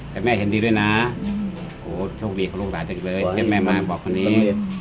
เจ้าแม่เห็นดีด้วยนะโอ้โหโชคดีของลูกหลานจังเลยเจ้าแม่มาบอกคนนี้